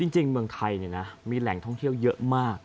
จริงเมืองไทยเนี่ยนะมีแหล่งท่องเที่ยวเยอะมาก